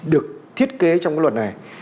được thiết kế trong cái luật này